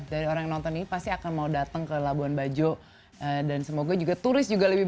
dari orang nonton ini pasti akan mau datang ke labuan bajo dan semoga juga turis juga lebih